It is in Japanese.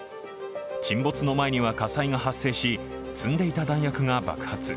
沈没の前には火災が発生し積んでいた弾薬が爆発。